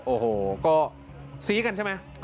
โอ้โหแปลว่าสีกันใช่ไหม